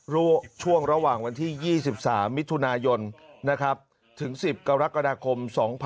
ช่วงระหว่างวันที่๒๓มิถุนายนถึง๑๐กรกฎาคม๒๕๖๒